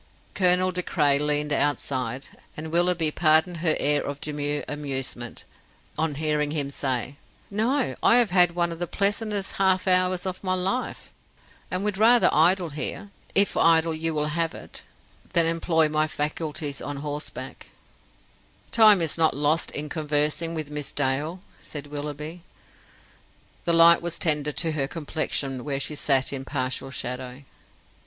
Colonel De Craye leaned outside, and Willoughby pardoned her air of demure amusement, on hearing him say: "No, I have had one of the pleasantest half hours of my life, and would rather idle here, if idle you will have it, than employ my faculties on horse back," "Time is not lost in conversing with Miss Dale," said Willoughby. The light was tender to her complexion where she sat in partial shadow.